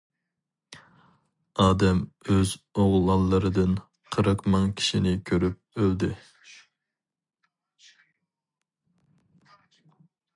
ئادەم ئۆز ئوغلانلىرىدىن قىرىق مىڭ كىشىنى كۆرۈپ ئۆلدى.